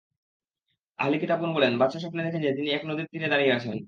আহলি কিতাবগণ বলেনঃ বাদশাহ স্বপ্নে দেখেন যে, তিনি এক নদীর তীরে দাঁড়িয়ে আছেন।